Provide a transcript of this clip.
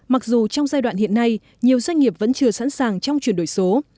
mặc dù trong giai đoạn hiện nay nhiều doanh nghiệp vẫn chưa sẵn sàng trong chuyển đổi số